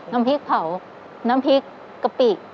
น้ำพริกเผาน้ำพริกกะปิ